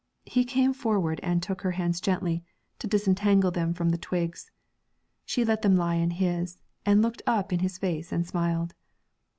He came forward and took her hands gently, to disentangle them from the twigs. She let them lie in his, and looked up in his face and smiled.